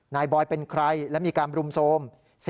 บอยเป็นใครและมีการรุมโทรม